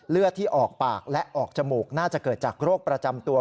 เลือดที่ออกปากและออกจมูกน่าจะเกิดจากโรคประจำตัว